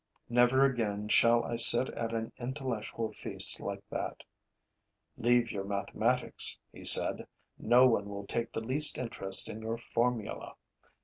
Never again shall I sit at an intellectual feast like that: 'Leave your mathematics,' he said. 'No one will take the least interest in your formula.